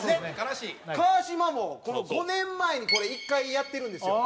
川島も５年前にこれ１回やってるんですよ。